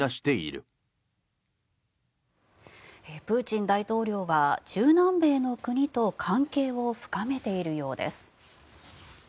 プーチン大統領は中南米の国と関係を深めているようです。